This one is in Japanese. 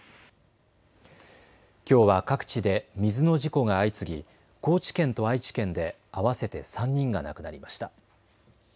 きょうは各地で水の事故が相次ぎ高知県と愛知県で合わせて３人が亡くなりました。